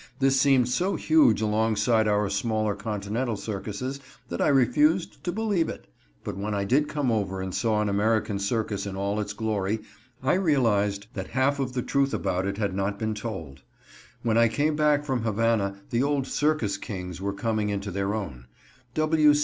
This seemed so huge alongside our smaller Continental circuses that I refused to believe it. But when I did come over and saw an American circus in all its glory I realized that half of the truth about it had not been told. When I came back from Havana the old circus kings were coming into their own.